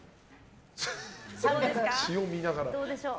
塩見ながら。